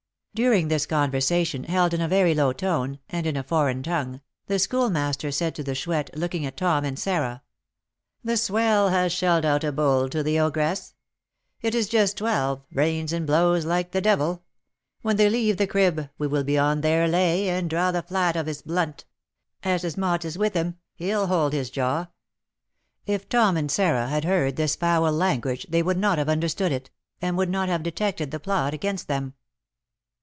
During this conversation, held in a very low tone, and in a foreign tongue, the Schoolmaster said to the Chouette, looking at Tom and Sarah, "The swell has shelled out a 'bull' to the ogress. It is just twelve, rains and blows like the devil. When they leave the 'crib,' we will be on their 'lay,' and draw the 'flat' of his 'blunt.' As his 'mot' is with him, he'll hold his jaw." If Tom and Sarah had heard this foul language, they would not have understood it, and would not have detected the plot against them.